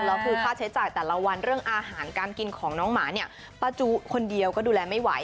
แล้วคือค่าใช้จ่ายแต่ละวันเรื่องอาหารการกินของน้องหมาเนี่ยป้าจุคนเดียวก็ดูแลไม่ไหว